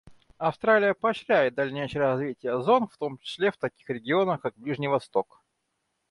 Австралия поощряет дальнейшее развитие зон, в том числе в таких регионах, как Ближний Восток.